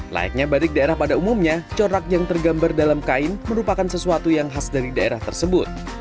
layaknya batik daerah pada umumnya corak yang tergambar dalam kain merupakan sesuatu yang khas dari daerah tersebut